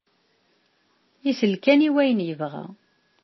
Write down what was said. Isell kan i wyen yebɣa.